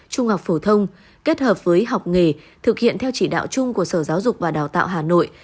trung học phổ thông kết hợp với học nghề thực hiện theo chỉ đạo chung của sở giáo dục và đào tạo hà nội